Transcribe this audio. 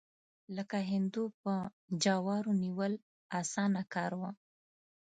لکه هندو په جوارو نیول، اسانه کار و.